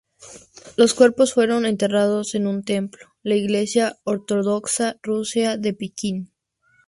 Los cuerpos fueron enterrados en un templo la iglesia ortodoxa rusa de Pekín.